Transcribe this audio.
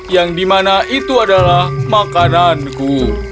yang dimana itu adalah makananku